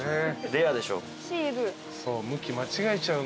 レアでしょう。